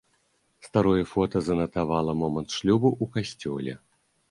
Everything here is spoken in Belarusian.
Старое фота занатавала момант шлюбу ў касцёле.